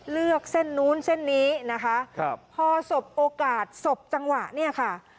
เส้นนู้นเส้นนี้นะคะครับพอสบโอกาสสบจังหวะเนี่ยค่ะ